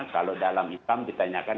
kalau dalam islam ditanyakan